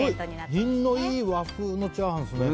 すごい、品のいい和風のチャーハンですね。